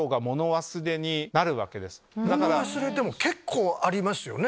物忘れ結構ありますよね。